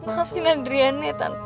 maafin adriana ya tante